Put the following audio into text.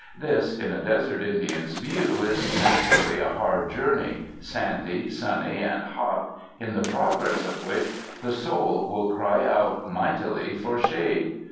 This, in a desert Indian's view, is natu rally a hard journey, sandy, sunny and hot, in the progress of which the soul will cry out mightily for shade.